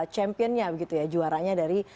championnya begitu ya juaranya dari